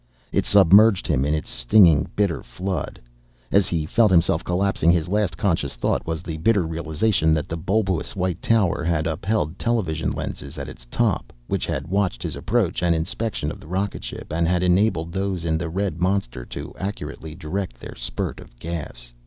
It submerged him in its stinging, bitter flood.... As he felt himself collapsing his last conscious thought was the bitter realization that the bulbous white tower had upheld television lenses at its top, which had watched his approach and inspection of the rocket ship, and had enabled those in the red monster to accurately direct their spurt of gas.